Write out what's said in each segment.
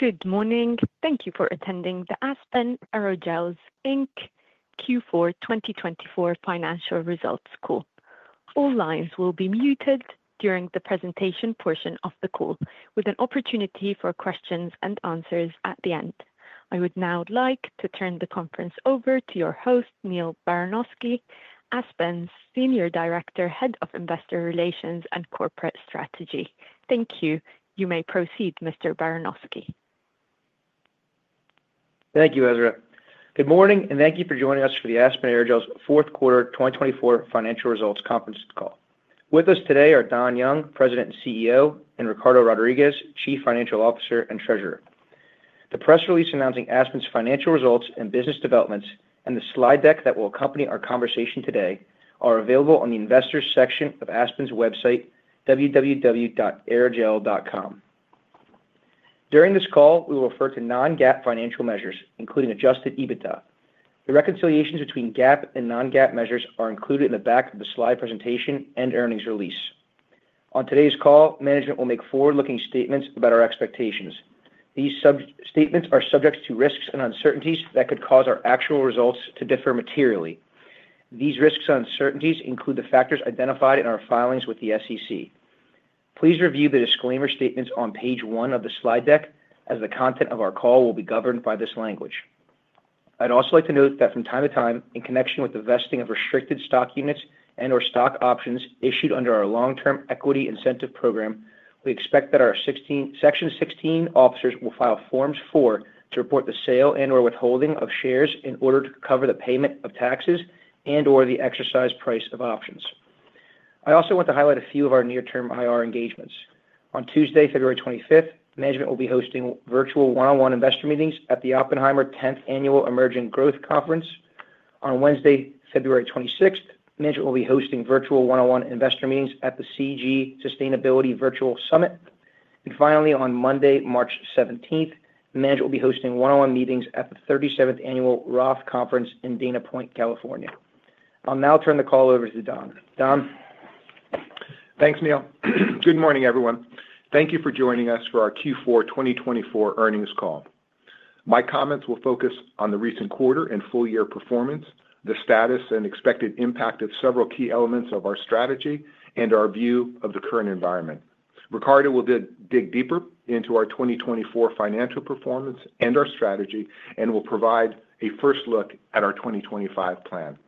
Good morning. Thank you for attending the Aspen Aerogels, Inc. Q4 2024 financial results call. All lines will be muted during the presentation portion of the call, with an opportunity for questions-and-answers at the end. I would now like to turn the conference over to your host, Neal Baranosky, Aspen's Senior Director, Head of Investor Relations and Corporate Strategy. Thank you. You may proceed, Mr. Baranosky. Thank you, Ezra. Good morning, and thank you for joining us for the Aspen Aerogels Fourth Quarter 2024 financial results conference call. With us today are Don Young, President and CEO, and Ricardo Rodriguez, Chief Financial Officer and Treasurer. The press release announcing Aspen's financial results and business developments, and the slide deck that will accompany our conversation today, are available on the Investors section of Aspen's website, www.aerogels.com. During this call, we will refer to non-GAAP financial measures, including Adjusted EBITDA. The reconciliations between GAAP and non-GAAP measures are included in the back of the slide presentation and earnings release. On today's call, management will make forward-looking statements about our expectations. These statements are subject to risks and uncertainties that could cause our actual results to differ materially. These risks and uncertainties include the factors identified in our filings with the SEC. Please review the disclaimer statements on page one of the slide deck, as the content of our call will be governed by this language. I'd also like to note that from time to time, in connection with the vesting of restricted stock units and/or stock options issued under our long-term equity incentive program, we expect that our Section 16 officers will file Forms 4 to report the sale and/or withholding of shares in order to cover the payment of taxes and/or the exercise price of options. I also want to highlight a few of our near-term IR engagements. On Tuesday, February 25th, management will be hosting virtual one-on-one investor meetings at the Oppenheimer 10th Annual Emerging Growth Conference. On Wednesday, February 26th, management will be hosting virtual one-on-one investor meetings at the CG Sustainability Virtual Summit. Finally, on Monday, March 17th, management will be hosting one-on-one meetings at the 37th Annual Roth Conference in Dana Point, California. I'll now turn the call over to Don. Don. Thanks, Neal. Good morning, everyone. Thank you for joining us for our Q4 2024 earnings call. My comments will focus on the recent quarter and full-year performance, the status and expected impact of several key elements of our strategy, and our view of the current environment. Ricardo will dig deeper into our 2024 financial performance and our strategy, and will provide a first look at our 2025 plan.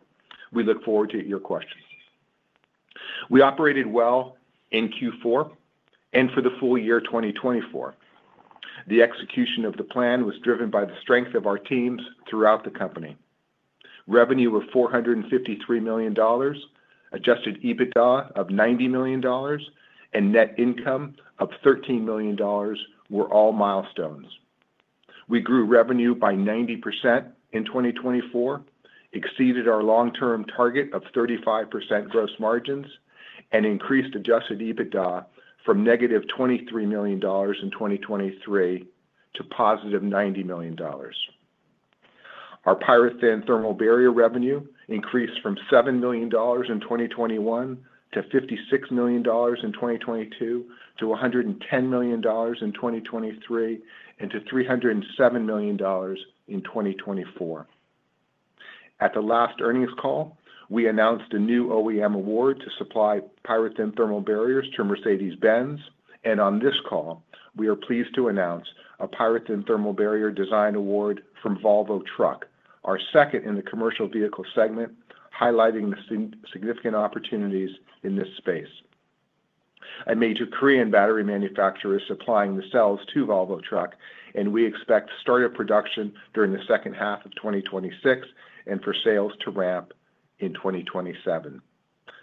We look forward to your questions. We operated well in Q4 and for the full year 2024. The execution of the plan was driven by the strength of our teams throughout the company. Revenue of $453 million, Adjusted EBITDA of $90 million, and net income of $13 million were all milestones. We grew revenue by 90% in 2024, exceeded our long-term target of 35% gross margins, and increased Adjusted EBITDA from negative $23 million in 2023 to positive $90 million. Our PyroThin thermal barrier revenue increased from $7 million in 2021 to $56 million in 2022 to $110 million in 2023 and to $307 million in 2024. At the last earnings call, we announced a new OEM award to supply PyroThin thermal barriers to Mercedes-Benz, and on this call, we are pleased to announce a PyroThin thermal barrier design award from Volvo Trucks, our second in the commercial vehicle segment, highlighting the significant opportunities in this space. A major Korean battery manufacturer is supplying the cells to Volvo Trucks, and we expect startup production during the second half of 2026 and for sales to ramp in 2027.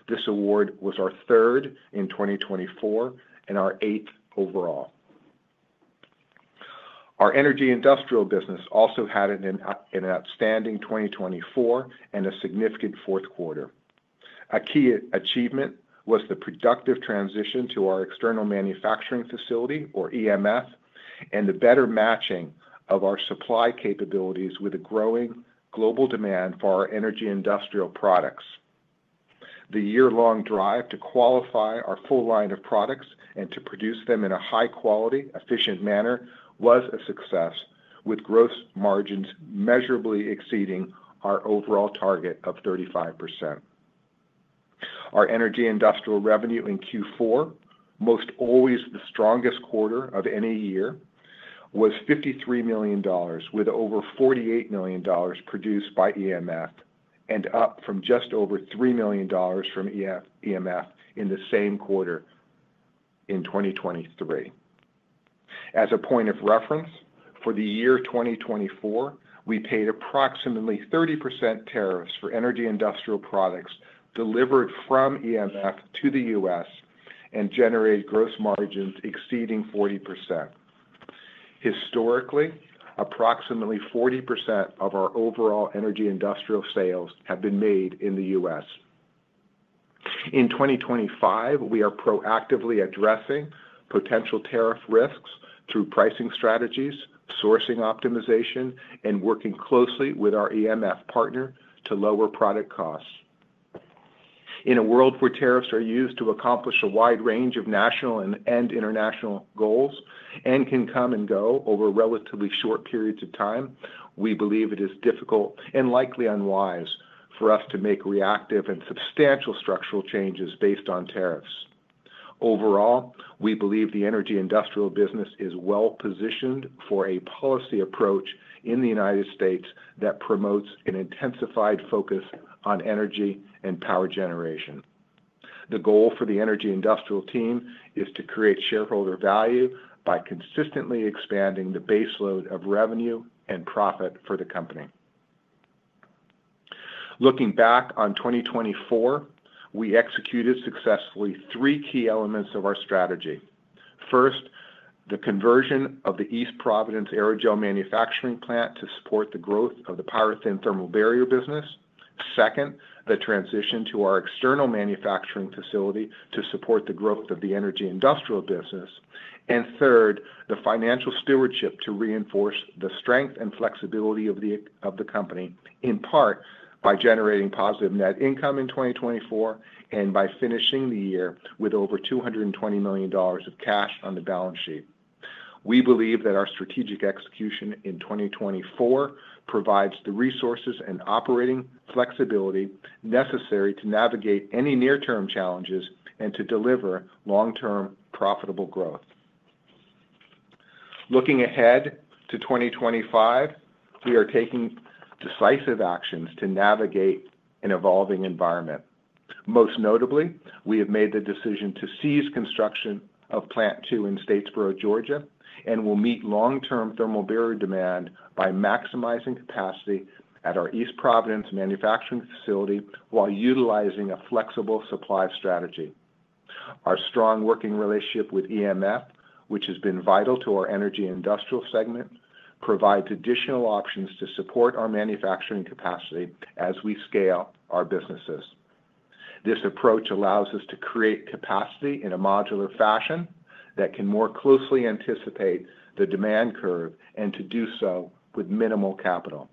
This award was our third in 2024 and our eighth overall. Our Energy Industrial business also had an outstanding 2024 and a significant fourth quarter. A key achievement was the productive transition to our external manufacturing facility, or EMF, and the better matching of our supply capabilities with a growing global demand for our Energy Industrial products. The year-long drive to qualify our full line of products and to produce them in a high-quality, efficient manner was a success, with gross margins measurably exceeding our overall target of 35%. Our Energy Industrial revenue in Q4, most always the strongest quarter of any year, was $53 million, with over $48 million produced by EMF and up from just over $3 million from EMF in the same quarter in 2023. As a point of reference, for the year 2024, we paid approximately 30% tariffs for Energy Industrial products delivered from EMF to the U.S. and generated gross margins exceeding 40%. Historically, approximately 40% of our overall Energy Industrial sales have been made in the U.S. In 2025, we are proactively addressing potential tariff risks through pricing strategies, sourcing optimization, and working closely with our EMF partner to lower product costs. In a world where tariffs are used to accomplish a wide range of national and international goals and can come and go over relatively short periods of time, we believe it is difficult and likely unwise for us to make reactive and substantial structural changes based on tariffs. Overall, we believe the Energy Industrial business is well-positioned for a policy approach in the United States that promotes an intensified focus on energy and power generation. The goal for the Energy Industrial team is to create shareholder value by consistently expanding the baseload of revenue and profit for the company. Looking back on 2024, we executed successfully three key elements of our strategy. First, the conversion of the East Providence Aerogel Manufacturing Plant to support the growth of the PyroThin thermal barrier business. Second, the transition to our external manufacturing facility to support the growth of the Energy Industrial business. And third, the financial stewardship to reinforce the strength and flexibility of the company in part by generating positive net income in 2024 and by finishing the year with over $220 million of cash on the balance sheet. We believe that our strategic execution in 2024 provides the resources and operating flexibility necessary to navigate any near-term challenges and to deliver long-term profitable growth. Looking ahead to 2025, we are taking decisive actions to navigate an evolving environment. Most notably, we have made the decision to cease construction of Plant 2 in Statesboro, Georgia, and will meet long-term thermal barrier demand by maximizing capacity at our East Providence Manufacturing Facility while utilizing a flexible supply strategy. Our strong working relationship with EMF, which has been vital to our Energy Industrial segment, provides additional options to support our manufacturing capacity as we scale our businesses. This approach allows us to create capacity in a modular fashion that can more closely anticipate the demand curve and to do so with minimal capital.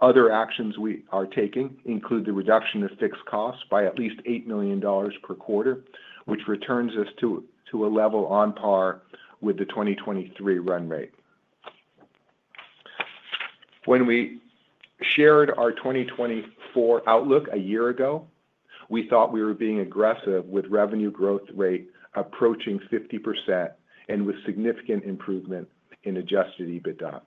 Other actions we are taking include the reduction of fixed costs by at least $8 million per quarter, which returns us to a level on par with the 2023 run rate. When we shared our 2024 outlook a year ago, we thought we were being aggressive with revenue growth rate approaching 50% and with significant improvement in Adjusted EBITDA.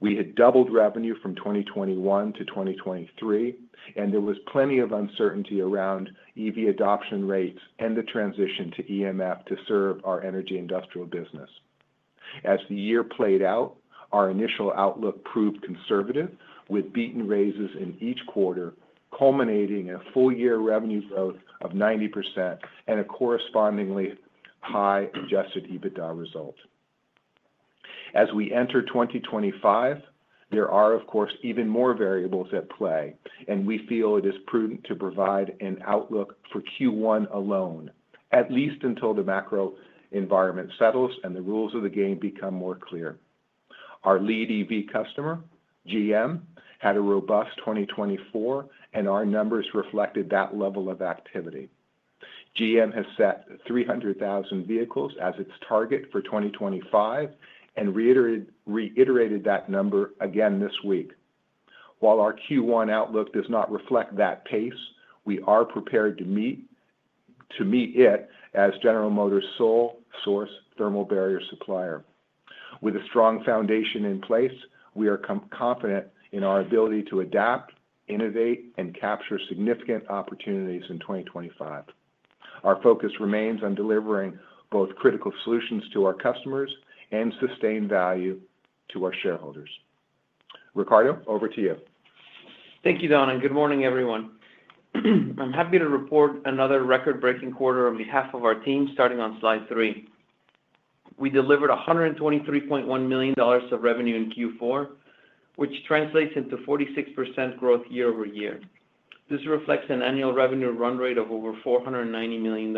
We had doubled revenue from 2021 to 2023, and there was plenty of uncertainty around EV adoption rates and the transition to EMF to serve our Energy Industrial business. As the year played out, our initial outlook proved conservative, with beat and raises in each quarter culminating in a full-year revenue growth of 90% and a correspondingly high Adjusted EBITDA result. As we enter 2025, there are, of course, even more variables at play, and we feel it is prudent to provide an outlook for Q1 alone, at least until the macro environment settles and the rules of the game become more clear. Our lead EV customer, GM, had a robust 2024, and our numbers reflected that level of activity. GM has set 300,000 vehicles as its target for 2025 and reiterated that number again this week. While our Q1 outlook does not reflect that pace, we are prepared to meet it as General Motors' sole source thermal barrier supplier. With a strong foundation in place, we are confident in our ability to adapt, innovate, and capture significant opportunities in 2025. Our focus remains on delivering both critical solutions to our customers and sustained value to our shareholders. Ricardo, over to you. Thank you, Don. Good morning, everyone. I'm happy to report another record-breaking quarter on behalf of our team, starting on slide three. We delivered $123.1 million of revenue in Q4, which translates into 46% growth year-over-year. This reflects an annual revenue run rate of over $490 million.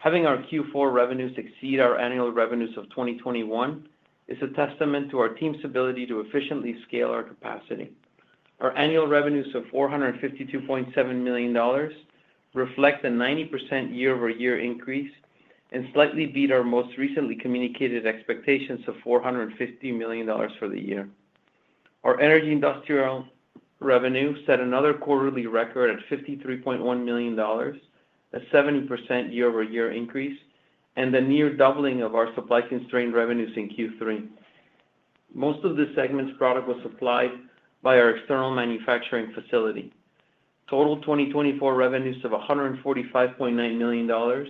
Having our Q4 revenues exceed our annual revenues of 2021 is a testament to our team's ability to efficiently scale our capacity. Our annual revenues of $452.7 million reflect a 90% year-over-year increase and slightly beat our most recently communicated expectations of $450 million for the year. Our Energy Industrial revenue set another quarterly record at $53.1 million, a 70% year-over-year increase, and the near doubling of our supply-constrained revenues in Q3. Most of this segment's product was supplied by our external manufacturing facility. Total 2024 revenues of $145.9 million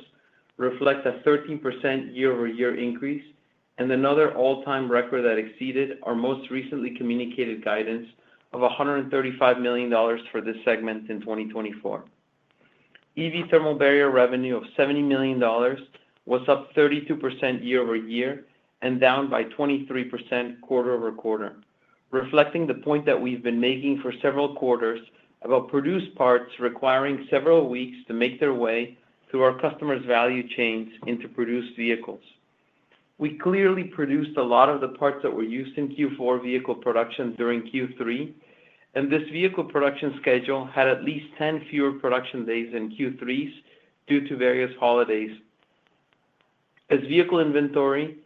reflect a 13% year-over-year increase and another all-time record that exceeded our most recently communicated guidance of $135 million for this segment in 2024. EV thermal barrier revenue of $70 million was up 32% year-over-year and down by 23% quarter over quarter, reflecting the point that we've been making for several quarters about produced parts requiring several weeks to make their way through our customers' value chains into produced vehicles. We clearly produced a lot of the parts that were used in Q4 vehicle production during Q3, and this vehicle production schedule had at least 10 fewer production days than Q3's due to various holidays. As vehicle inventory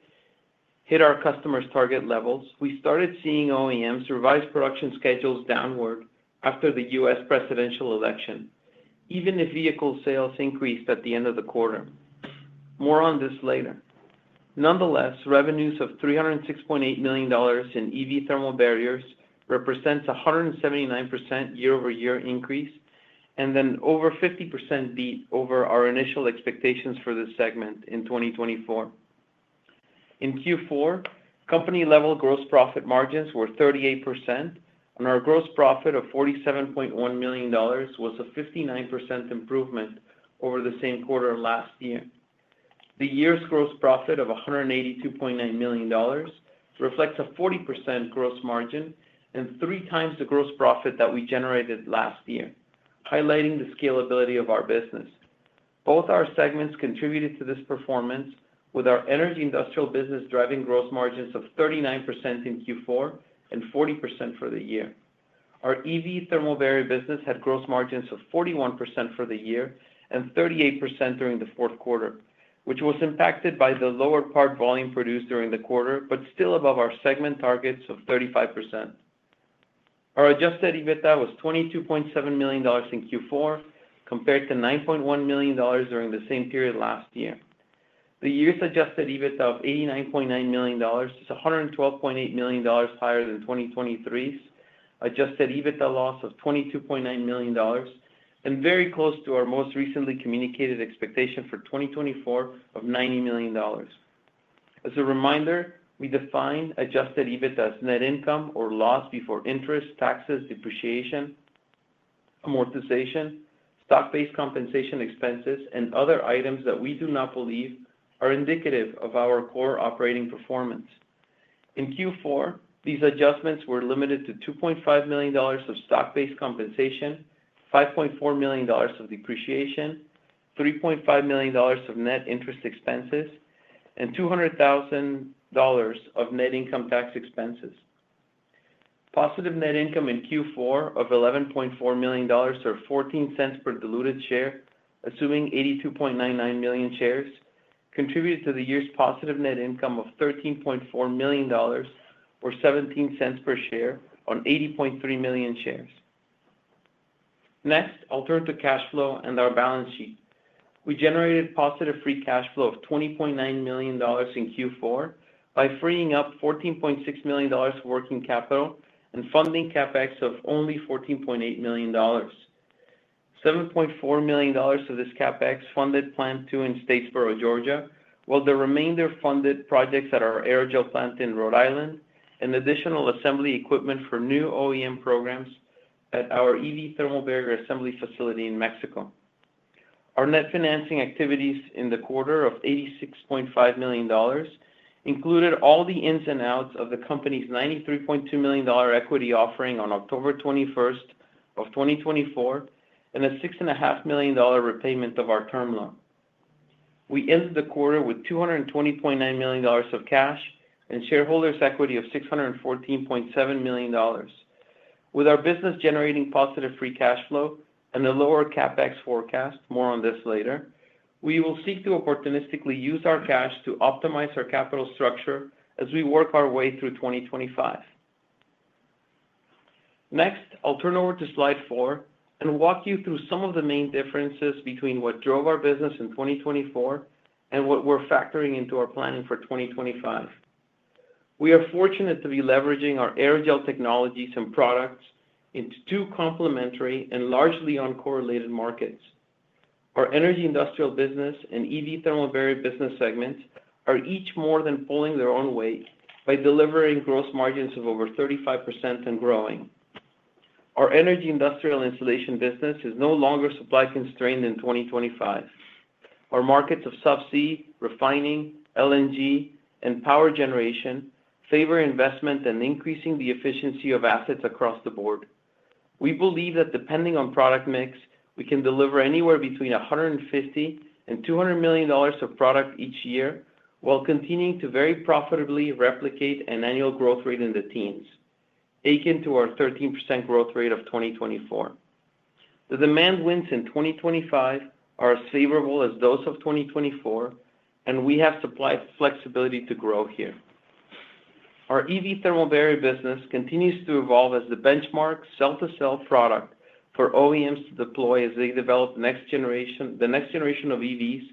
hit our customers' target levels, we started seeing OEMs revise production schedules downward after the U.S. presidential election, even if vehicle sales increased at the end of the quarter. More on this later. Nonetheless, revenues of $306.8 million in EV thermal barriers represent a 179% year-over-year increase and then over 50% beat over our initial expectations for this segment in 2024. In Q4, company-level gross profit margins were 38%, and our gross profit of $47.1 million was a 59% improvement over the same quarter last year. The year's gross profit of $182.9 million reflects a 40% gross margin and three times the gross profit that we generated last year, highlighting the scalability of our business. Both our segments contributed to this performance, with our Energy Industrial business driving gross margins of 39% in Q4 and 40% for the year. Our EV thermal barrier business had gross margins of 41% for the year and 38% during the fourth quarter, which was impacted by the lower part volume produced during the quarter, but still above our segment targets of 35%. Our Adjusted EBITDA was $22.7 million in Q4, compared to $9.1 million during the same period last year. The year's Adjusted EBITDA of $89.9 million is $112.8 million higher than 2023's Adjusted EBITDA loss of $22.9 million, and very close to our most recently communicated expectation for 2024 of $90 million. As a reminder, we define Adjusted EBITDA as net income or loss before interest, taxes, depreciation, amortization, stock-based compensation expenses, and other items that we do not believe are indicative of our core operating performance. In Q4, these adjustments were limited to $2.5 million of stock-based compensation, $5.4 million of depreciation, $3.5 million of net interest expenses, and $200,000 of net income tax expenses. Positive net income in Q4 of $11.4 million or $0.14 per diluted share, assuming 82.99 million shares, contributed to the year's positive net income of $13.4 million or $0.17 per share on 80.3 million shares. Next, I'll turn to cash flow and our balance sheet. We generated positive free cash flow of $20.9 million in Q4 by freeing up $14.6 million of working capital and funding CapEx of only $14.8 million. $7.4 million of this CapEx funded Plant 2 in Statesboro, Georgia, while the remainder funded projects at our aerogel plant in Rhode Island and additional assembly equipment for new OEM programs at our EV thermal barrier assembly facility in Mexico. Our net financing activities in the quarter of $86.5 million included all the ins and outs of the company's $93.2 million equity offering on October 21st of 2024 and a $6.5 million repayment of our term loan. We ended the quarter with $220.9 million of cash and shareholders' equity of $614.7 million. With our business generating positive free cash flow and a lower CapEx forecast, more on this later, we will seek to opportunistically use our cash to optimize our capital structure as we work our way through 2025. Next, I'll turn over to slide four and walk you through some of the main differences between what drove our business in 2024 and what we're factoring into our planning for 2025. We are fortunate to be leveraging our aerogel technologies and products in two complementary and largely uncorrelated markets. Our Energy Industrial business and EV thermal barrier business segments are each more than pulling their own weight by delivering gross margins of over 35% and growing. Our Energy Industrial insulation business is no longer supply-constrained in 2025. Our markets of subsea, refining, LNG, and power generation favor investment and increasing the efficiency of assets across the board. We believe that depending on product mix, we can deliver anywhere between $150 and $200 million of product each year while continuing to very profitably replicate an annual growth rate in the teens, akin to our 13% growth rate of 2024. The demand winds in 2025 are as favorable as those of 2024, and we have supply flexibility to grow here. Our EV thermal barrier business continues to evolve as the benchmark cell-to-cell product for OEMs to deploy as they develop the next generation of EVs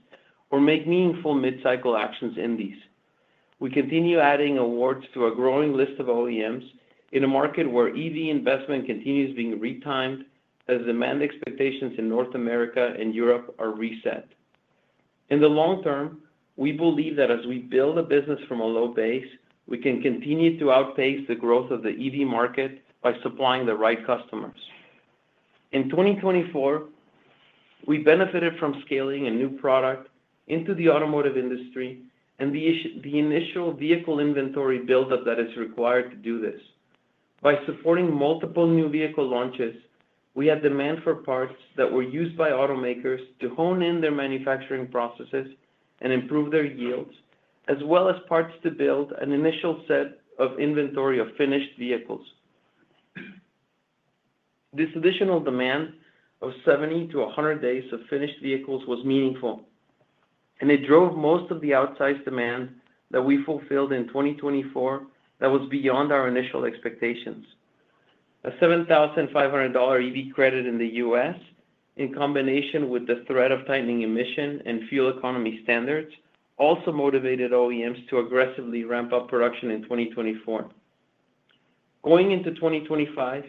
or make meaningful mid-cycle actions in these. We continue adding awards to a growing list of OEMs in a market where EV investment continues being retimed as demand expectations in North America and Europe are reset. In the long term, we believe that as we build a business from a low base, we can continue to outpace the growth of the EV market by supplying the right customers. In 2024, we benefited from scaling a new product into the automotive industry and the initial vehicle inventory build-up that is required to do this. By supporting multiple new vehicle launches, we had demand for parts that were used by automakers to hone in their manufacturing processes and improve their yields, as well as parts to build an initial set of inventory of finished vehicles. This additional demand of 70-100 days of finished vehicles was meaningful, and it drove most of the outsized demand that we fulfilled in 2024 that was beyond our initial expectations. A $7,500 EV credit in the U.S., in combination with the threat of tightening emissions and fuel economy standards, also motivated OEMs to aggressively ramp up production in 2024. Going into 2025,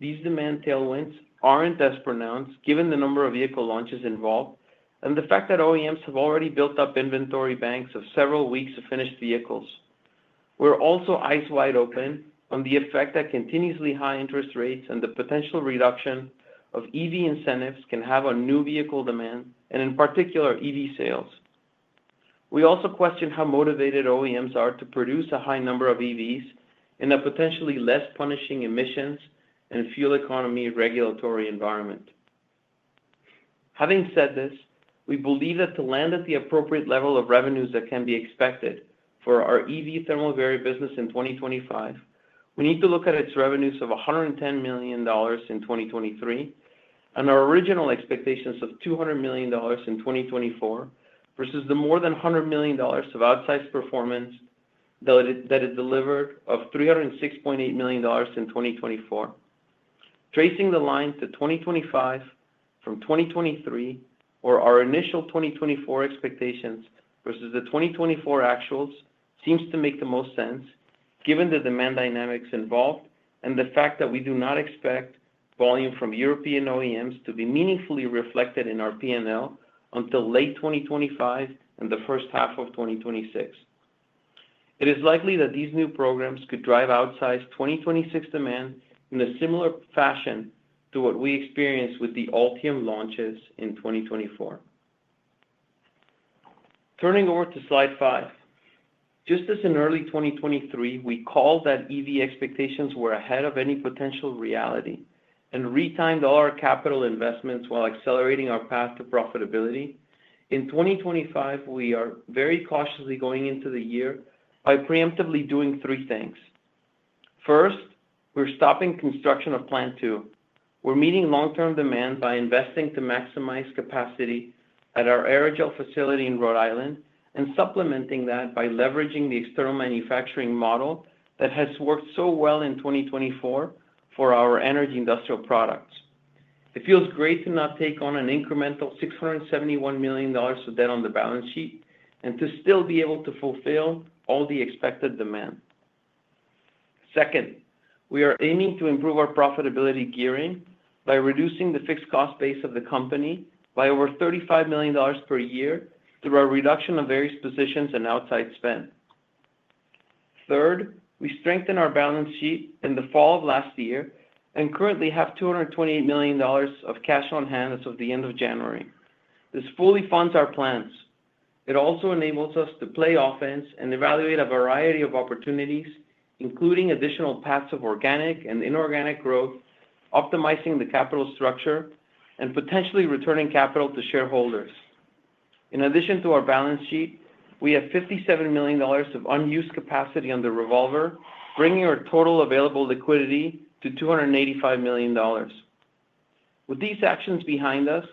these demand tailwinds aren't as pronounced given the number of vehicle launches involved and the fact that OEMs have already built up inventory banks of several weeks of finished vehicles. We're also eyes wide open on the effect that continuously high interest rates and the potential reduction of EV incentives can have on new vehicle demand, and in particular, EV sales. We also question how motivated OEMs are to produce a high number of EVs in a potentially less punishing emissions and fuel economy regulatory environment. Having said this, we believe that to land at the appropriate level of revenues that can be expected for our EV thermal barrier business in 2025, we need to look at its revenues of $110 million in 2023 and our original expectations of $200 million in 2024 versus the more than $100 million of outsized performance that it delivered of $306.8 million in 2024. Tracing the line to 2025 from 2023, or our initial 2024 expectations versus the 2024 actuals, seems to make the most sense, given the demand dynamics involved and the fact that we do not expect volume from European OEMs to be meaningfully reflected in our P&L until late 2025 and the first half of 2026. It is likely that these new programs could drive outsized 2026 demand in a similar fashion to what we experienced with the Ultium launches in 2024. Turning over to slide five. Just as in early 2023, we called that EV expectations were ahead of any potential reality and retimed all our capital investments while accelerating our path to profitability. In 2025, we are very cautiously going into the year by preemptively doing three things. First, we're stopping construction of Plant 2. We're meeting long-term demand by investing to maximize capacity at our aerogel facility in Rhode Island and supplementing that by leveraging the external manufacturing model that has worked so well in 2024 for our Energy Industrial products. It feels great to not take on an incremental $671 million of debt on the balance sheet and to still be able to fulfill all the expected demand. Second, we are aiming to improve our profitability gearing by reducing the fixed cost base of the company by over $35 million per year through our reduction of various positions and outside spend. Third, we strengthen our balance sheet in the fall of last year and currently have $228 million of cash on hand as of the end of January. This fully funds our plans. It also enables us to play offense and evaluate a variety of opportunities, including additional paths of organic and inorganic growth, optimizing the capital structure and potentially returning capital to shareholders. In addition to our balance sheet, we have $57 million of unused capacity under revolver, bringing our total available liquidity to $285 million. With these actions behind us,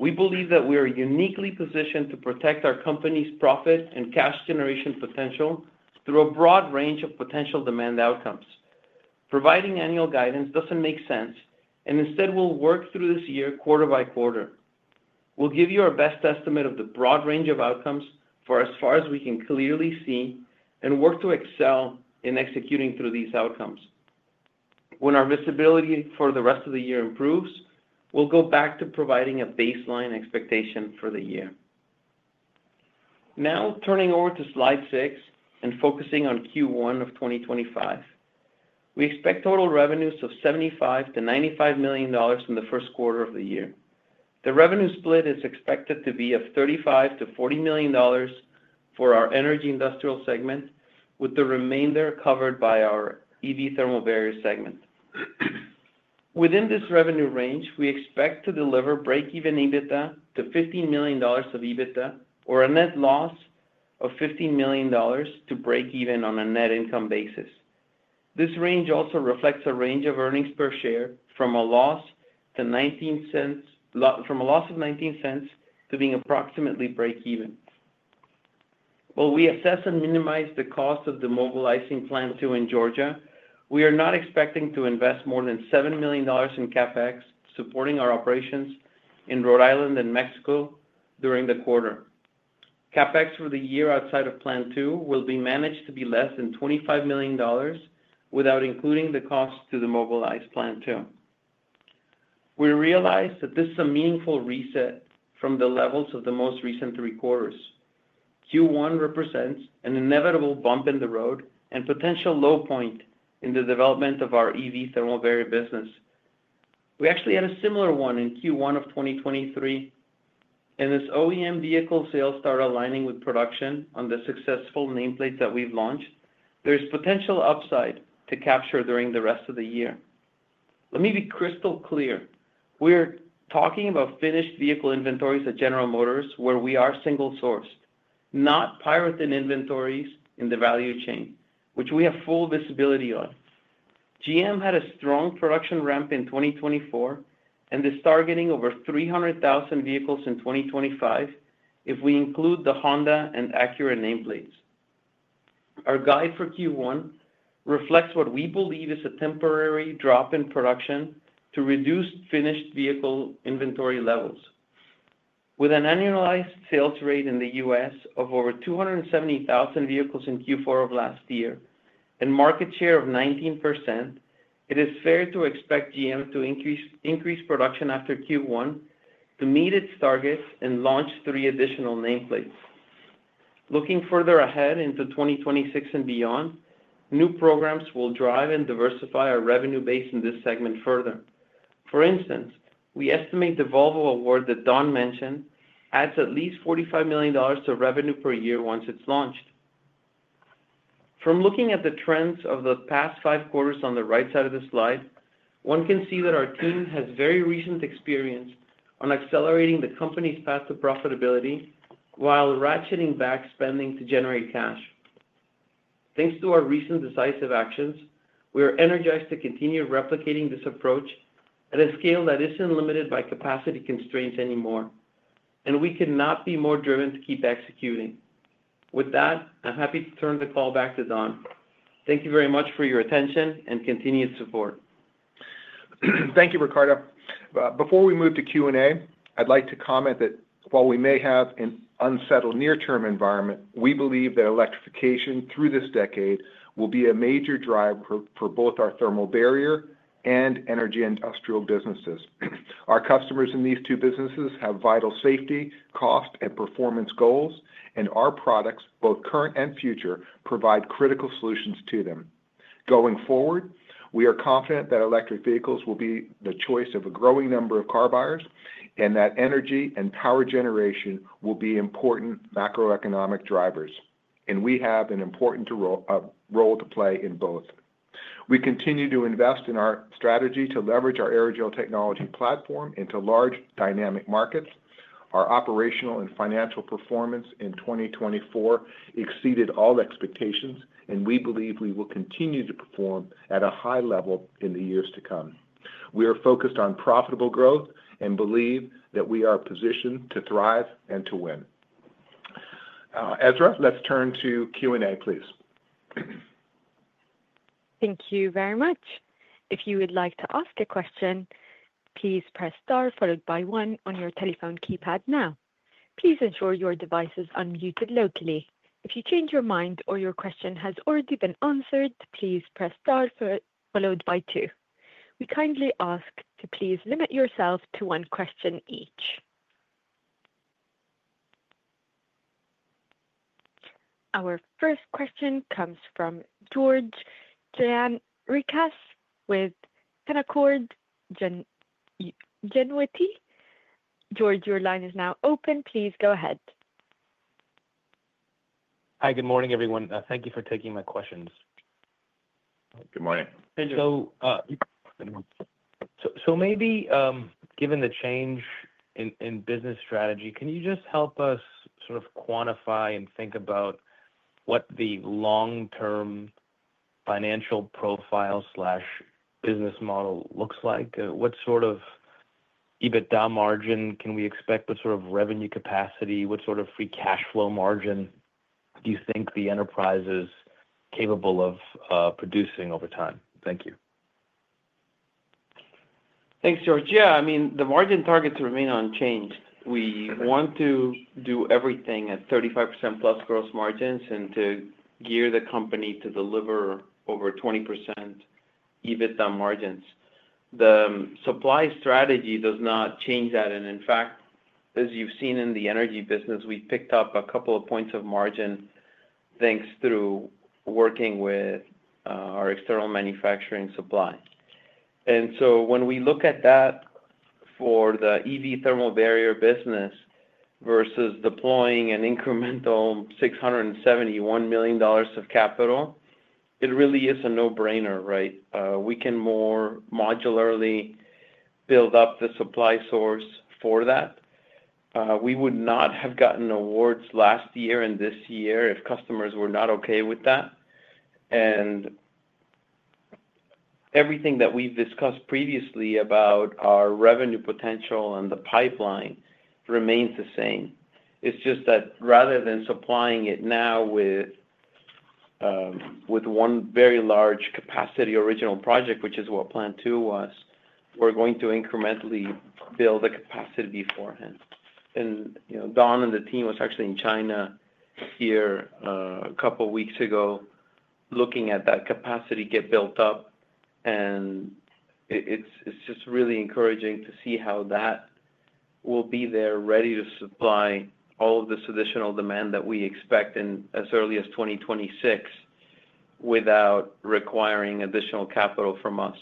we believe that we are uniquely positioned to protect our company's profit and cash generation potential through a broad range of potential demand outcomes. Providing annual guidance doesn't make sense, and instead, we'll work through this year quarter by quarter. We'll give you our best estimate of the broad range of outcomes for as far as we can clearly see and work to excel in executing through these outcomes. When our visibility for the rest of the year improves, we'll go back to providing a baseline expectation for the year. Now, turning over to slide six and focusing on Q1 of 2025, we expect total revenues of $75-$95 million in the first quarter of the year. The revenue split is expected to be of $35-$40 million for our Energy Industrial segment, with the remainder covered by our EV thermal barrier segment. Within this revenue range, we expect to deliver break-even EBITDA to $15 million of EBITDA or a net loss of $15 million to break even on a net income basis. This range also reflects a range of earnings per share from a loss of $0.19 to being approximately break even. While we assess and minimize the cost of mobilizing Plant 2 in Georgia, we are not expecting to invest more than $7 million in CapEx supporting our operations in Rhode Island and Mexico during the quarter. CapEx for the year outside of Plant 2 will be managed to be less than $25 million without including the cost of the mobilized Plant 2. We realize that this is a meaningful reset from the levels of the most recent three quarters. Q1 represents an inevitable bump in the road and potential low point in the development of our EV thermal barrier business. We actually had a similar one in Q1 of 2023, and as OEM vehicle sales start aligning with production on the successful nameplate that we've launched, there is potential upside to capture during the rest of the year. Let me be crystal clear. We're talking about finished vehicle inventories at General Motors, where we are single-sourced, not in-transit inventories in the value chain, which we have full visibility on. GM had a strong production ramp in 2024, and it's targeting over 300,000 vehicles in 2025 if we include the Honda and Acura nameplates. Our guide for Q1 reflects what we believe is a temporary drop in production to reduce finished vehicle inventory levels. With an annualized sales rate in the U.S. of over 270,000 vehicles in Q4 of last year and market share of 19%, it is fair to expect GM to increase production after Q1 to meet its targets and launch three additional nameplates. Looking further ahead into 2026 and beyond, new programs will drive and diversify our revenue base in this segment further. For instance, we estimate the Volvo award that Don mentioned adds at least $45 million to revenue per year once it's launched. From looking at the trends of the past five quarters on the right side of the slide, one can see that our team has very recent experience on accelerating the company's path to profitability while ratcheting back spending to generate cash. Thanks to our recent decisive actions, we are energized to continue replicating this approach at a scale that isn't limited by capacity constraints anymore, and we cannot be more driven to keep executing. With that, I'm happy to turn the call back to Don. Thank you very much for your attention and continued support. Thank you, Ricardo. Before we move to Q&A, I'd like to comment that while we may have an unsettled near-term environment, we believe that electrification through this decade will be a major driver for both our thermal barrier and Energy Industrial businesses. Our customers in these two businesses have vital safety, cost, and performance goals, and our products, both current and future, provide critical solutions to them. Going forward, we are confident that electric vehicles will be the choice of a growing number of car buyers and that energy and power generation will be important macroeconomic drivers, and we have an important role to play in both. We continue to invest in our strategy to leverage our aerogel technology platform into large dynamic markets. Our operational and financial performance in 2024 exceeded all expectations, and we believe we will continue to perform at a high level in the years to come. We are focused on profitable growth and believe that we are positioned to thrive and to win. Ezra, let's turn to Q&A, please. Thank you very much. If you would like to ask a question, please press star followed by one on your telephone keypad now. Please ensure your device is unmuted locally. If you change your mind or your question has already been answered, please press star followed by two. We kindly ask to please limit yourself to one question each. Our first question comes from George Gianarikas with Canaccord Genuity. George, your line is now open. Please go ahead. Hi, good morning, everyone. Thank you for taking my questions. Good morning. So maybe given the change in business strategy, can you just help us sort of quantify and think about what the long-term financial profile/business model looks like? What sort of EBITDA margin can we expect? What sort of revenue capacity? What sort of free cash flow margin do you think the enterprise is capable of producing over time? Thank you. Thanks, George. Yeah, I mean, the margin targets remain unchanged. We want to do everything at 35% plus gross margins and to gear the company to deliver over 20% EBITDA margins. The supply strategy does not change that. And in fact, as you've seen in the energy business, we picked up a couple of points of margin thanks to working with our external manufacturing supplier. And so when we look at that for the EV thermal barrier business versus deploying an incremental $671 million of capital, it really is a no-brainer, right? We can more modularly build up the supply source for that. We would not have gotten awards last year and this year if customers were not okay with that. And everything that we've discussed previously about our revenue potential and the pipeline remains the same. It's just that rather than supplying it now with one very large capacity original project, which is what Plant 2 was, we're going to incrementally build the capacity beforehand. And Don and the team was actually in China here a couple of weeks ago looking at that capacity get built up, and it's just really encouraging to see how that will be there ready to supply all of this additional demand that we expect in as early as 2026 without requiring additional capital from us.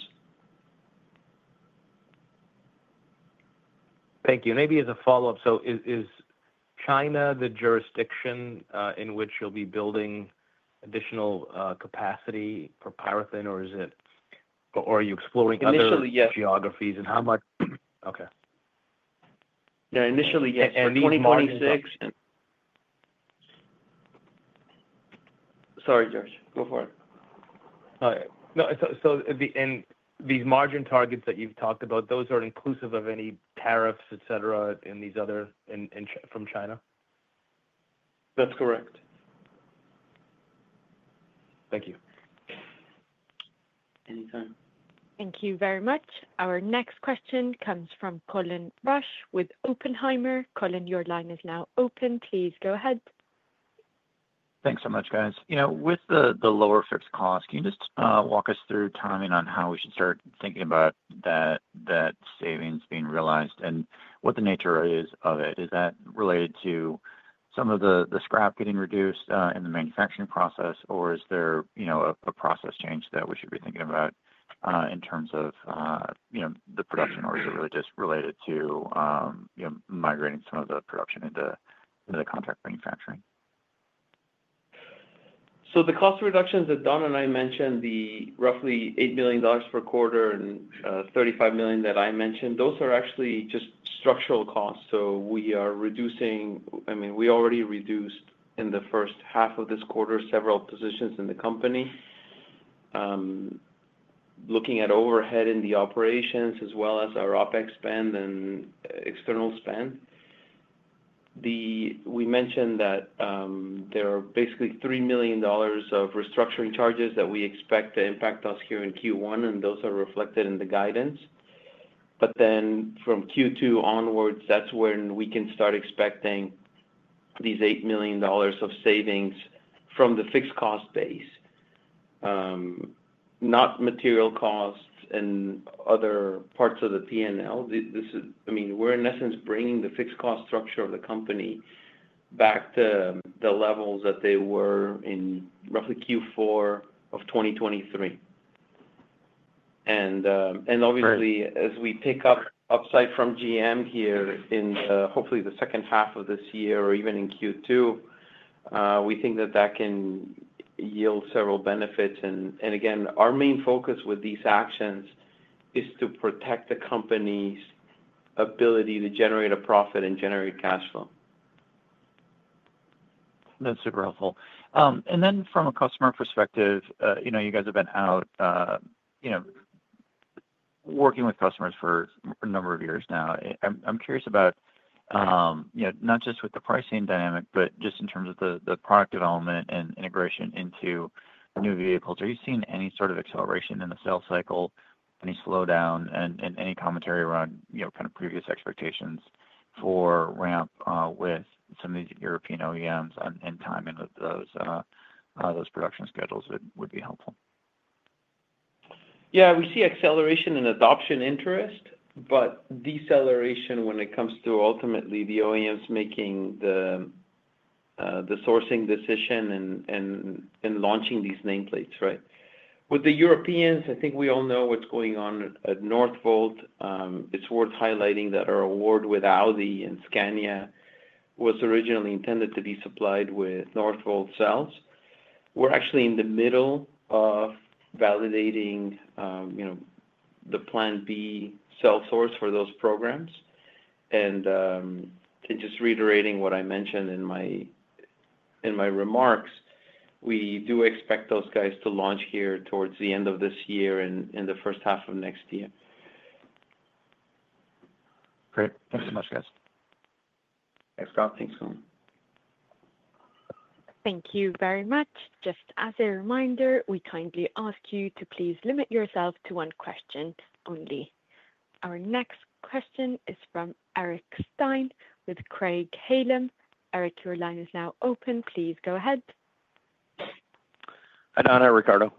Thank you. And maybe as a follow-up, so is China the jurisdiction in which you'll be building additional capacity for PyroThin, or are you exploring other geographies? Initially, yes. Okay. Yeah, initially, yes. And 2026? Sorry, George. Go for it. All right. So these margin targets that you've talked about, those are inclusive of any tariffs, etc., from China? That's correct. Thank you. Anytime. Thank you very much. Our next question comes from Colin Rusch with Oppenheimer. Colin, your line is now open. Please go ahead. Thanks so much, guys. With the lower fixed cost, can you just walk us through timing on how we should start thinking about that savings being realized and what the nature is of it? Is that related to some of the scrap getting reduced in the manufacturing process, or is there a process change that we should be thinking about in terms of the production, or is it really just related to migrating some of the production into the contract manufacturing? The cost reductions that Don and I mentioned, the roughly $8 million per quarter and $35 million that I mentioned, those are actually just structural costs. We are reducing, I mean, we already reduced in the first half of this quarter several positions in the company. Looking at overhead in the operations as well as our OpEx spend and external spend, we mentioned that there are basically $3 million of restructuring charges that we expect to impact us here in Q1, and those are reflected in the guidance. But then from Q2 onwards, that's when we can start expecting these $8 million of savings from the fixed cost base, not material costs and other parts of the P&L. I mean, we're in essence bringing the fixed cost structure of the company back to the levels that they were in roughly Q4 of 2023. And obviously, as we pick up upside from GM here in hopefully the second half of this year or even in Q2, we think that that can yield several benefits. And again, our main focus with these actions is to protect the company's ability to generate a profit and generate cash flow. That's super helpful. And then from a customer perspective, you guys have been out working with customers for a number of years now. I'm curious about not just with the pricing dynamic, but just in terms of the product development and integration into new vehicles. Are you seeing any sort of acceleration in the sales cycle, any slowdown, and any commentary around kind of previous expectations for ramp with some of these European OEMs and timing of those production schedules would be helpful? Yeah, we see acceleration in adoption interest, but deceleration when it comes to ultimately the OEMs making the sourcing decision and launching these nameplates, right? With the Europeans, I think we all know what's going on at Northvolt. It's worth highlighting that our award with Audi and Scania was originally intended to be supplied with Northvolt cells. We're actually in the middle of validating the Plan B cell source for those programs. And just reiterating what I mentioned in my remarks, we do expect those guys to launch here towards the end of this year and the first half of next year. Great. Thanks so much, guys. Thanks, Don. Thanks, Colin. Thank you very much. Just as a reminder, we kindly ask you to please limit yourself to one question only. Our next question is from Eric Stine with Craig-Hallum. Eric, your line is now open. Please go ahead. Hi, Don and Ricardo.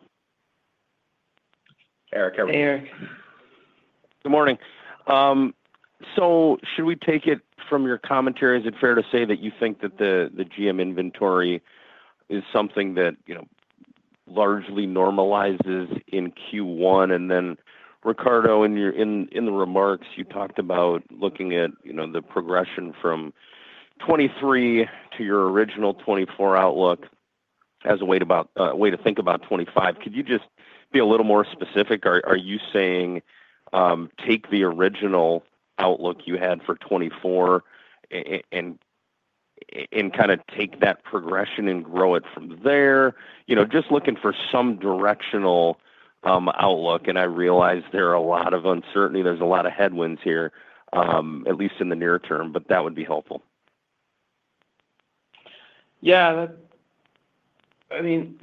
Eric, everyone. Hey, Eric. Good morning. So should we take it from your commentary; is it fair to say that you think that the GM inventory is something that largely normalizes in Q1? And then, Ricardo, in the remarks, you talked about looking at the progression from 2023 to your original 2024 outlook as a way to think about 2025. Could you just be a little more specific? Are you saying take the original outlook you had for 2024 and kind of take that progression and grow it from there? Just looking for some directional outlook, and I realize there are a lot of uncertainty. There's a lot of headwinds here, at least in the near term, but that would be helpful. Yeah. I mean,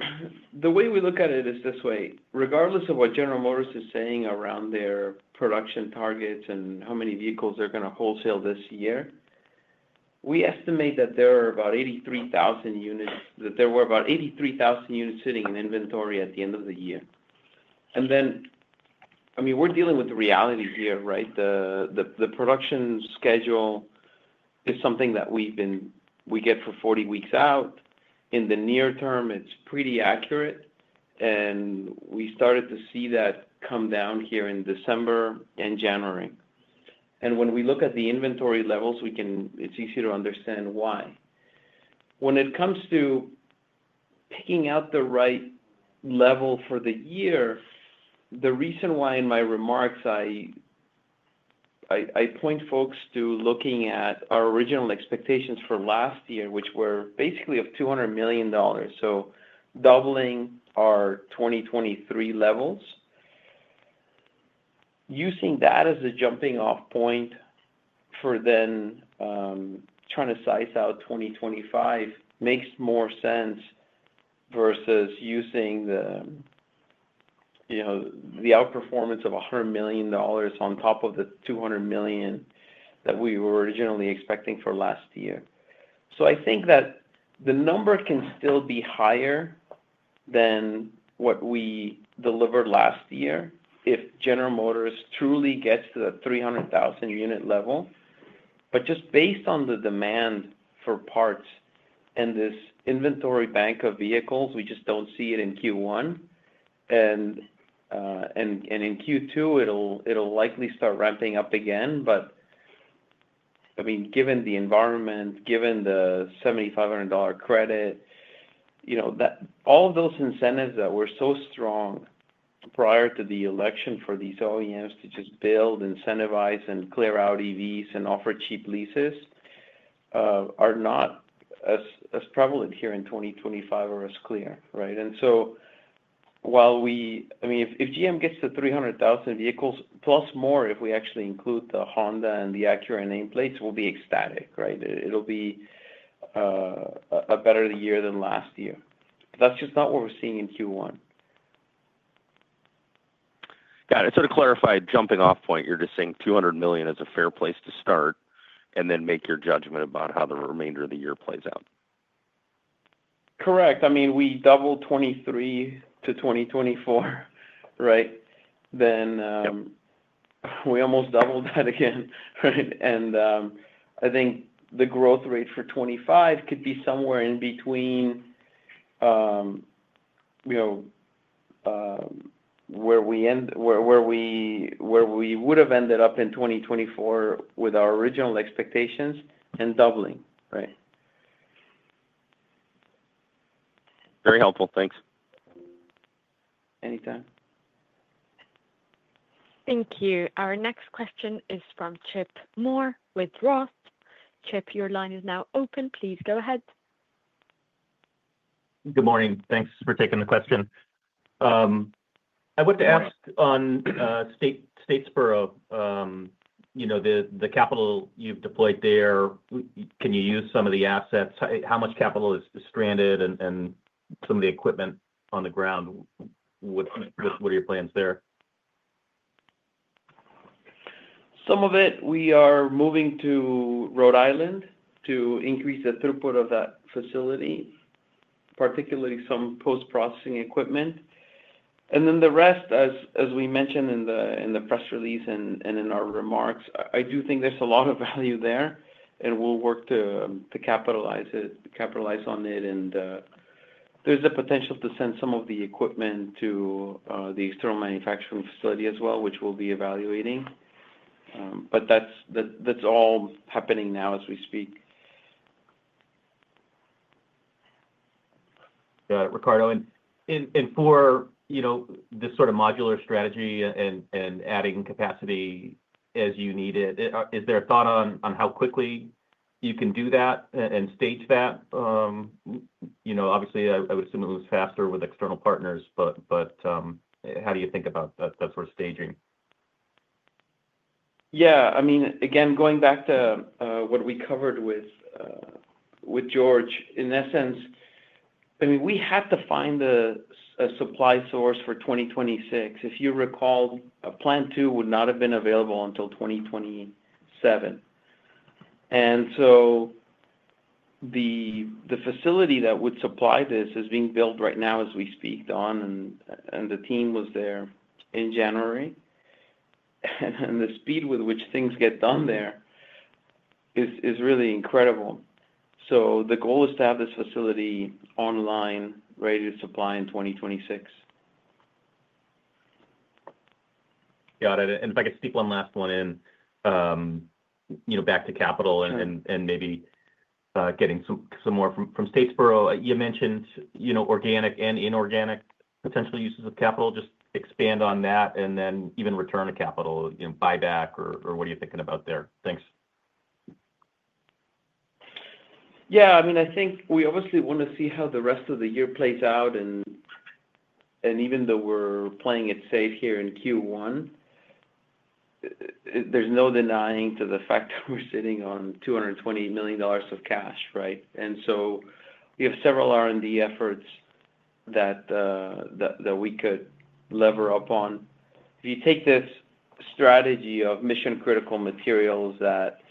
the way we look at it is this way. Regardless of what General Motors is saying around their production targets and how many vehicles they're going to wholesale this year, we estimate that there were about 83,000 units sitting in inventory at the end of the year. And then, I mean, we're dealing with the reality here, right? The production schedule is something that we get for 40 weeks out. In the near term, it's pretty accurate, and we started to see that come down here in December and January. And when we look at the inventory levels, it's easy to understand why. When it comes to picking out the right level for the year, the reason why in my remarks, I point folks to looking at our original expectations for last year, which were basically of $200 million. So doubling our 2023 levels, using that as a jumping-off point for then trying to size out 2025 makes more sense versus using the outperformance of $100 million on top of the $200 million that we were originally expecting for last year. So I think that the number can still be higher than what we delivered last year if General Motors truly gets to the 300,000 unit level. But just based on the demand for parts and this inventory bank of vehicles, we just don't see it in Q1. And in Q2, it'll likely start ramping up again. But I mean, given the environment, given the $7,500 credit, all of those incentives that were so strong prior to the election for these OEMs to just build, incentivize, and clear out EVs and offer cheap leases are not as prevalent here in 2025 or as clear, right? And so while we—I mean, if GM gets to 300,000 vehicles plus more, if we actually include the Honda and the Acura nameplates, we'll be ecstatic, right? It'll be a better year than last year. But that's just not what we're seeing in Q1. Got it. To clarify a jumping-off point, you're just saying 200 million is a fair place to start and then make your judgment about how the remainder of the year plays out. Correct. I mean, we doubled 2023 to 2024, right? Then we almost doubled that again, right? And I think the growth rate for 2025 could be somewhere in between where we would have ended up in 2024 with our original expectations and doubling, right? Very helpful. Thanks. Anytime. Thank you. Our next question is from Chip Moore with Roth. Chip, your line is now open. Please go ahead. Good morning. Thanks for taking the question. I would ask on Statesboro, the capital you've deployed there, can you use some of the assets? How much capital is stranded and some of the equipment on the ground? What are your plans there? Some of it, we are moving to Rhode Island to increase the throughput of that facility, particularly some post-processing equipment. And then the rest, as we mentioned in the press release and in our remarks, I do think there's a lot of value there, and we'll work to capitalize on it. And there's a potential to send some of the equipment to the external manufacturing facility as well, which we'll be evaluating. But that's all happening now as we speak. Yeah, Ricardo. And for this sort of modular strategy and adding capacity as you need it, is there a thought on how quickly you can do that and stage that? Obviously, I would assume it was faster with external partners, but how do you think about that sort of staging? Yeah. I mean, again, going back to what we covered with George, in essence, I mean, we had to find a supply source for 2026. If you recall, Plant 2 would not have been available until 2027. And so the facility that would supply this is being built right now as we speak, Don, and the team was there in January. And the speed with which things get done there is really incredible. So the goal is to have this facility online, ready to supply in 2026. Got it. And if I could sneak one last one in, back to capital and maybe getting some more from Statesboro. You mentioned organic and inorganic potential uses of capital. Just expand on that and then even return to capital, buyback, or what are you thinking about there? Thanks. Yeah. I mean, I think we obviously want to see how the rest of the year plays out. And even though we're playing it safe here in Q1, there's no denying to the fact that we're sitting on $220 million of cash, right? And so we have several R&D efforts that we could lever up on. If you take this strategy of mission-critical materials that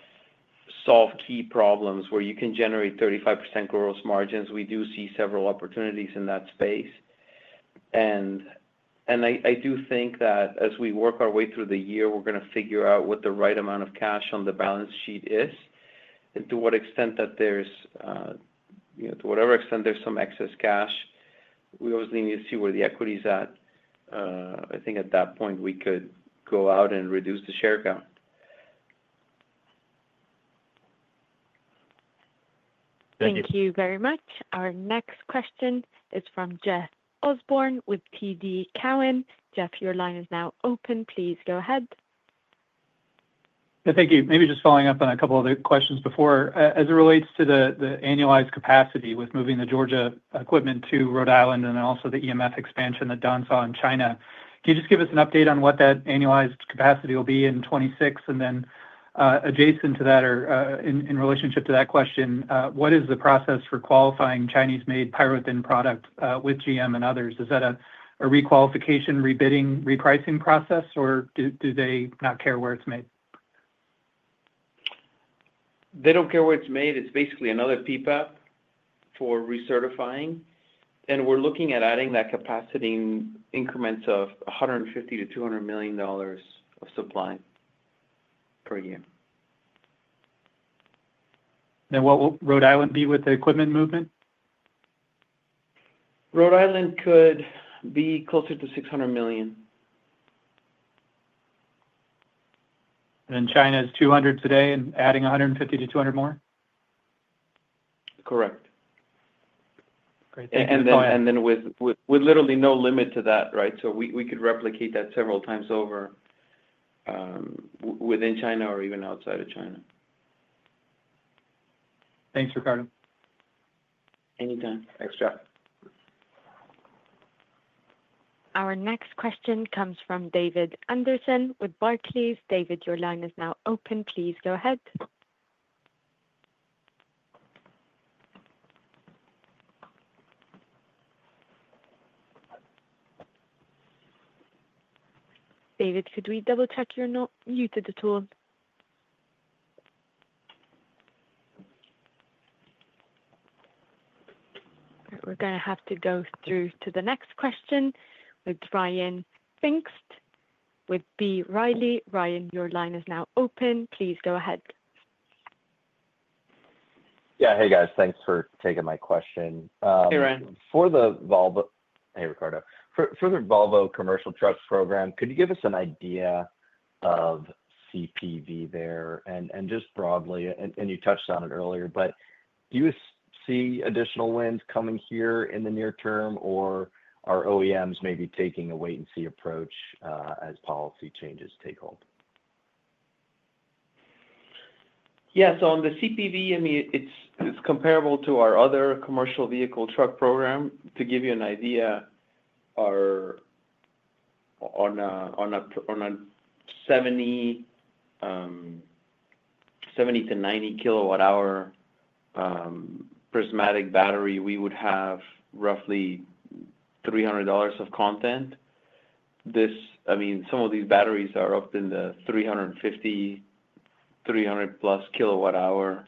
solve key problems where you can generate 35% gross margins, we do see several opportunities in that space. And I do think that as we work our way through the year, we're going to figure out what the right amount of cash on the balance sheet is and to whatever extent there's some excess cash. We obviously need to see where the equity is at. I think at that point, we could go out and reduce the share count. Thank you. Thank you very much. Our next question is from Jeff Osborne with TD Cowen. Jeff, your line is now open. Please go ahead. Thank you. Maybe just following up on a couple of other questions before. As it relates to the annualized capacity with moving the Georgia equipment to Rhode Island and also the EMF expansion that Don saw in China, can you just give us an update on what that annualized capacity will be in 2026? And then adjacent to that, or in relationship to that question, what is the process for qualifying Chinese-made PyroThin product with GM and others? Is that a requalification, rebidding, repricing process, or do they not care where it's made? They don't care where it's made. It's basically another PPAP for recertifying. And we're looking at adding that capacity increments of $150-$200 million of supply per year. And what will Rhode Island be with the equipment movement? Rhode Island could be closer to $600 million. And China is $200 today and adding $150-$200 more? Correct. Great. Thank you for that. And then with literally no limit to that, right? So we could replicate that several times over within China or even outside of China. Thanks, Ricardo. Anytime. Thanks, Jeff. Our next question comes from David Anderson with Barclays. David, your line is now open. Please go ahead. David, could we double-check your name? You did it all. We're going to have to go through to the next question with Ryan Pfingst with B. Riley. Ryan, your line is now open. Please go ahead. Yeah. Hey, guys. Thanks for taking my question. Hey, Ryan. For the Volvo—hey, Ricardo. For the Volvo Commercial Trust Program, could you give us an idea of CPV there? Just broadly, and you touched on it earlier, but do you see additional winds coming here in the near term, or are OEMs maybe taking a wait-and-see approach as policy changes take hold? Yeah. So on the CPV, I mean, it's comparable to our other commercial vehicle truck program. To give you an idea, on a 70-90 kilowatt-hour prismatic battery, we would have roughly $300 of content. I mean, some of these batteries are up in the 350, 300-plus kilowatt-hour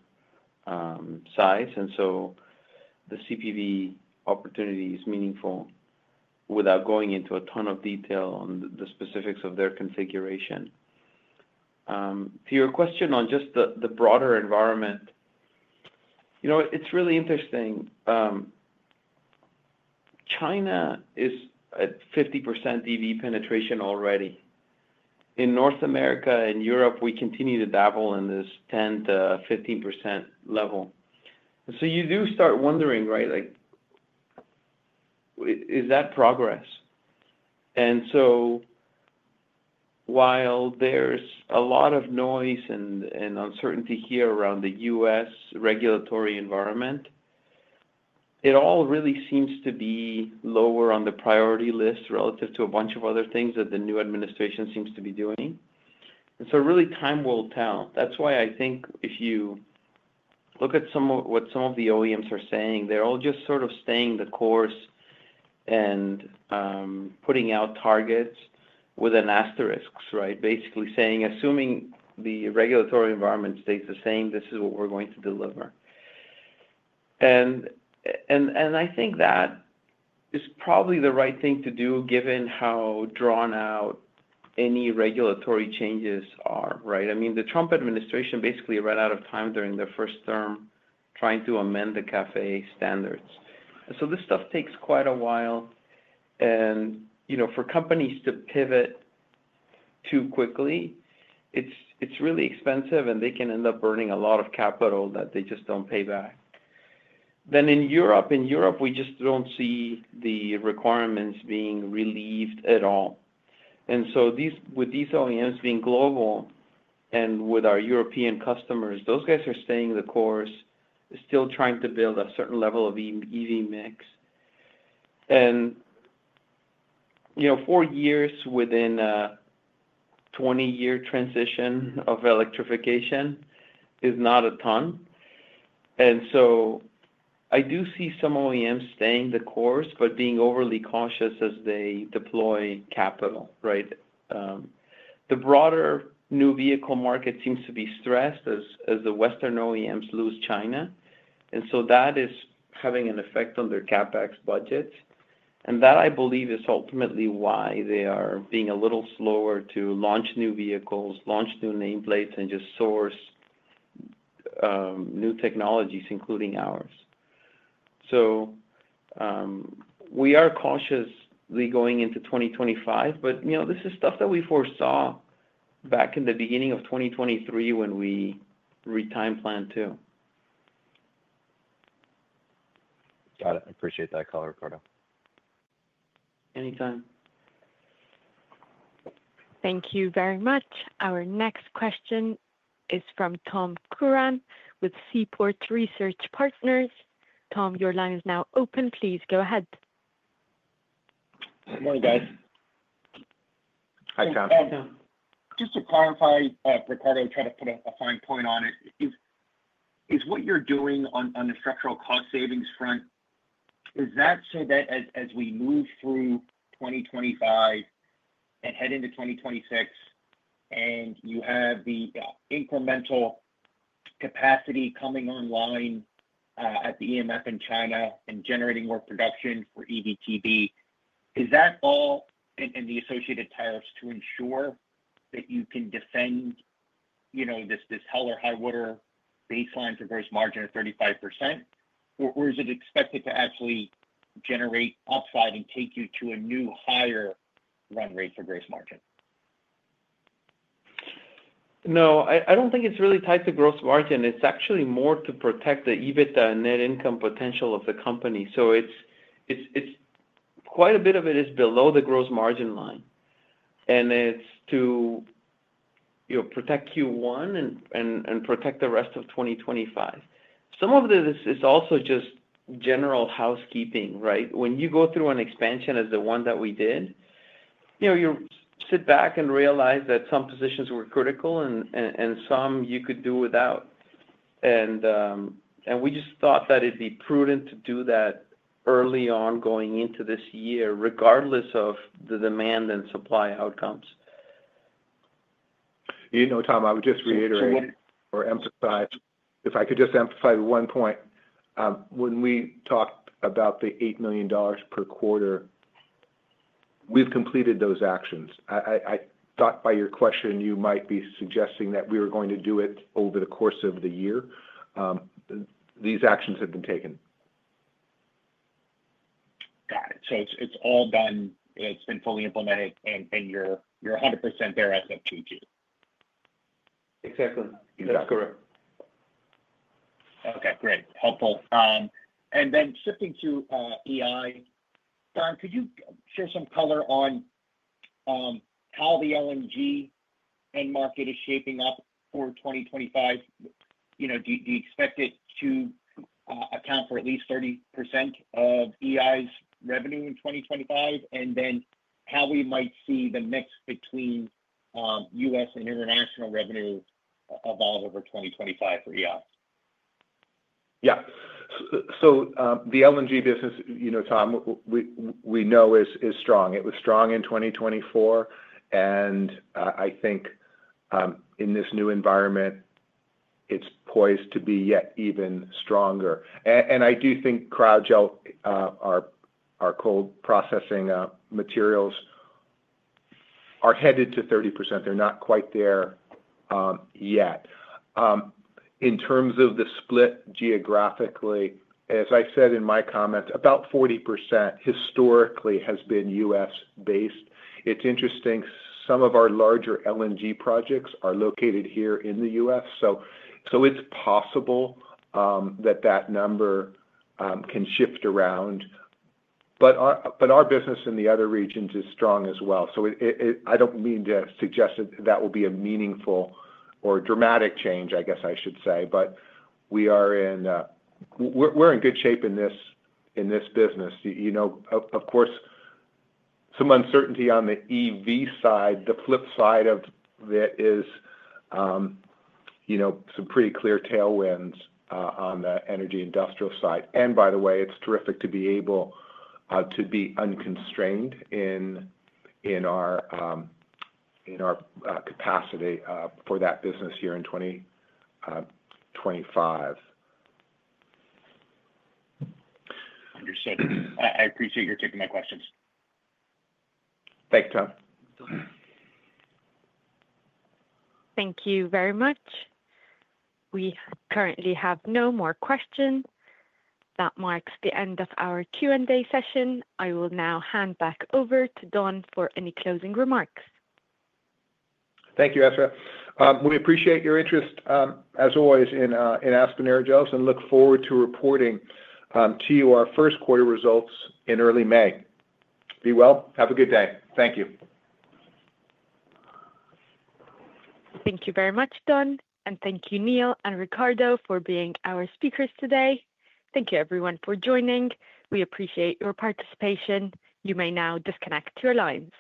size. And so the CPV opportunity is meaningful without going into a ton of detail on the specifics of their configuration. To your question on just the broader environment, it's really interesting. China is at 50% EV penetration already. In North America and Europe, we continue to dabble in this 10%-15% level. And so you do start wondering, right? Is that progress? And so while there's a lot of noise and uncertainty here around the U.S. regulatory environment, it all really seems to be lower on the priority list relative to a bunch of other things that the new administration seems to be doing. And so really, time will tell. That's why I think if you look at what some of the OEMs are saying, they're all just sort of staying the course and putting out targets with an asterisk, right? Basically saying, assuming the regulatory environment stays the same, this is what we're going to deliver. And I think that is probably the right thing to do given how drawn out any regulatory changes are, right? I mean, the Trump administration basically ran out of time during their first term trying to amend the CAFE standards. And so this stuff takes quite a while. And for companies to pivot too quickly, it's really expensive, and they can end up burning a lot of capital that they just don't pay back. Then in Europe, we just don't see the requirements being relieved at all. And so with these OEMs being global and with our European customers, those guys are staying the course, still trying to build a certain level of EV mix. And four years within a 20-year transition of electrification is not a ton. And so I do see some OEMs staying the course but being overly cautious as they deploy capital, right? The broader new vehicle market seems to be stressed as the Western OEMs lose China. And so that is having an effect on their CapEx budgets. And that, I believe, is ultimately why they are being a little slower to launch new vehicles, launch new nameplates, and just source new technologies, including ours. So we are cautiously going into 2025, but this is stuff that we foresaw back in the beginning of 2023 when we retimed Plant 2. Got it. I appreciate that, Ricardo. Anytime. Thank you very much. Our next question is from Tom Curran with Seaport Research Partners. Tom, your line is now open. Please go ahead. Good morning, guys. Hi, Tom. Hey, Tom. Just to clarify, Ricardo, try to put a fine point on it. Is what you're doing on the structural cost savings front, is that so that as we move through 2025 and head into 2026 and you have the incremental capacity coming online at the EMF in China and generating more production for EVTB, is that all and the associated tariffs to ensure that you can defend this hell or high water baseline for gross margin of 35%? Or is it expected to actually generate upside and take you to a new higher run rate for gross margin? No, I don't think it's really tied to gross margin. It's actually more to protect the EBITDA and net income potential of the company. So quite a bit of it is below the gross margin line, and it's to protect Q1 and protect the rest of 2025. Some of this is also just general housekeeping, right? When you go through an expansion as the one that we did, you sit back and realize that some positions were critical and some you could do without. And we just thought that it'd be prudent to do that early on going into this year, regardless of the demand and supply outcomes. You know, Tom, I would just reiterate or emphasize, if I could just emphasize one point. When we talked about the $8 million per quarter, we've completed those actions. I thought by your question, you might be suggesting that we were going to do it over the course of the year. These actions have been taken. Got it. So it's all done. It's been fully implemented, and you're 100% there as of Q2. Exactly. That's correct. Okay. Great. Helpful. And then shifting to EI, Don, could you share some color on how the LNG end market is shaping up for 2025? Do you expect it to account for at least 30% of EI's revenue in 2025? And then how we might see the mix between U.S. and international revenue evolve over 2025 for EI? Yeah. So the LNG business, Tom, we know, is strong. It was strong in 2024. And I think in this new environment, it's poised to be yet even stronger. And I do think Cryogel, our cold processing materials, are headed to 30%. They're not quite there yet. In terms of the split geographically, as I said in my comments, about 40% historically has been U.S.-based. It's interesting. Some of our larger LNG projects are located here in the U.S. So it's possible that that number can shift around. But our business in the other regions is strong as well. So I don't mean to suggest that that will be a meaningful or dramatic change, I guess I should say. But we are in good shape in this business. Of course, some uncertainty on the EV side. The flip side of it is some pretty clear tailwinds on the Energy Industrial side. And by the way, it's terrific to be able to be unconstrained in our capacity for that business here in 2025. Understood. I appreciate your taking my questions. Thanks, Tom. Thank you very much. We currently have no more questions. That marks the end of our Q&A session. I will now hand back over to Don for any closing remarks. Thank you, Ezra. We appreciate your interest, as always, in Aspen Aerogels and look forward to reporting to you our first quarter results in early May. Be well. Have a good day. Thank you. Thank you very much, Don. And thank you, Neal and Ricardo, for being our speakers today. Thank you, everyone, for joining. We appreciate your participation. You may now disconnect your lines.